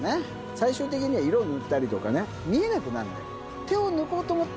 最終的には色を塗ったりとかね、見えなくなるのよ。